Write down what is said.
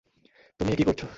তুমি একি করছো!